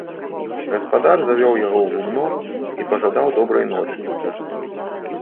Гаспадар завёў яго ў гумно і пажадаў добрай ночы.